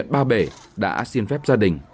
ba bể đã xin phép gia đình